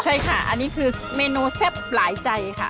ใช่ค่ะอันนี้คือเมนูแซ่บหลายใจค่ะ